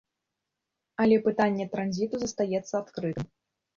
Але пытанне транзіту застаецца адкрытым.